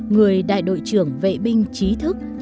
người đại đội trưởng vệ binh trí thức